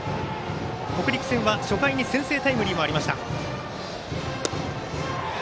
北陸戦は初回に先制タイムリーがありました。